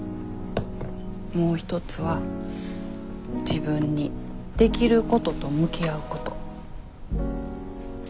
もう一つは「自分にできることと向き合うこと」。